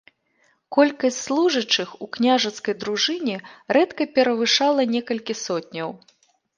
Колькасць служачых у княжацкай дружыне рэдка перавышала некалькі сотняў.